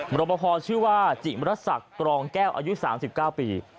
รบพอชื่อว่าจิมรสักกรองแก้วอายุ๓๙ปี